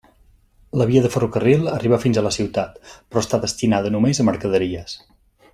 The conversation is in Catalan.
La via de ferrocarril arriba fins a la ciutat, però està destinada només a mercaderies.